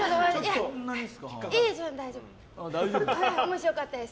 大丈夫。面白かったです。